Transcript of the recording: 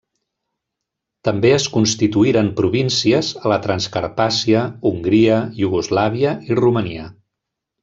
També es constituïren províncies a la Transcarpàcia, Hongria, Iugoslàvia i Romania.